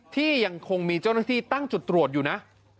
ที่ยังคงมีเจ้าหน้าที่ตั้งจุดตรวจอยู่นะ